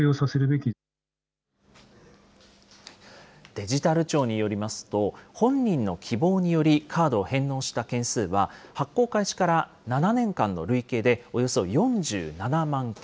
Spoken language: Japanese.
デジタル庁によりますと、本人の希望によりカードを返納した件数は、発行開始から７年間の累計でおよそ４７万件。